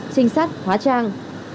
sinh sát hóa trang